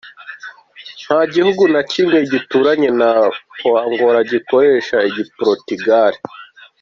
Nta gihugu na kimwe gituranye na Angola gikoresha igi-portugal.